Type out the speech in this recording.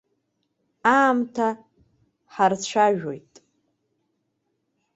Аамҭа ҳарцәажәоит.